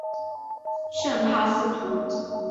圣帕斯图。